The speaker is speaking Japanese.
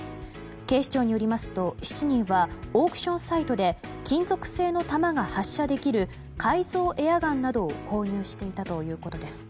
警視庁によりますと７人はオークションサイトで金属製の弾が発射できる改造エアガンなどを購入していたということです。